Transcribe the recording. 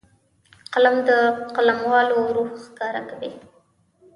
قلم د قلموالو روح ښکاره کوي